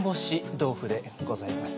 豆腐でございます。